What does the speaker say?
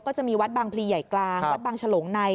จะมีวัดบางพลีใหญ่กลางวัดบางฉลงใน